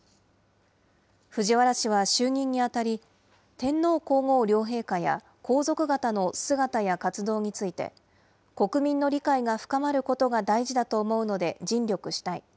藤原氏は就任にあたり、天皇皇后両陛下や皇族方の姿や活動について、国民の理解が深まることが大事だと思うので尽力したい。